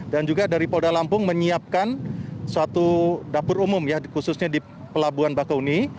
dan juga dari polda lampung menyiapkan suatu dapur umum ya khususnya di pelabuhan bakau huni